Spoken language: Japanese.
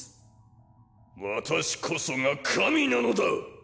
私こそが神なのだ！